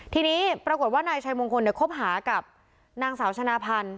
ทีนี้ปรากฏว่านายชัยมงคลคบหากับนางสาวชนะพันธ์